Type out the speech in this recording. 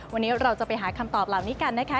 วันนี้เราจะไปหาคำตอบเหล่านี้กันนะคะ